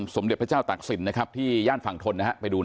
สมเด็จพระเจ้าตักศิลป์พี่ย่านฟังธลนะฮะไปดูนะฮะ